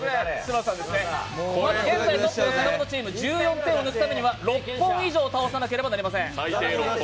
現在トップの阪本チーム１４点を抜くためには６本以上倒さなければなりません。